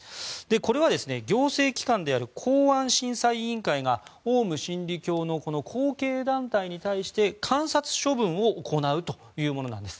これは行政機関である公安審査委員会がオウム真理教の後継団体に対して観察処分を行うというものです。